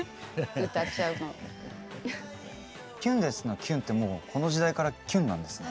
「キュンです」の「キュン」ってこの時代からキュンなんですね。